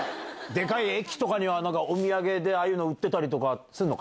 でかい駅とか、なんかお土産でああいうの売ってたりすんの？